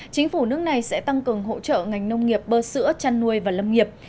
chính phủ nước này sẽ tăng cường hỗ trợ ngành nông nghiệp bơ sữa chăn nuôi và lâm nghiệp